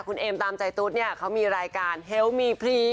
คุณเอ็มตามใจตุ๊ดเนี้ยเขามีรายการพรีปใช่